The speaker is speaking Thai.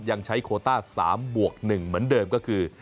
ยังใช้โคต้า๓บวก๑เหมือนเดิมก็คือ